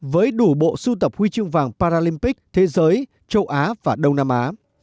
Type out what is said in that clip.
với đủ bộ sưu tập huy chương vàng paralympic thế giới châu á và đông nam á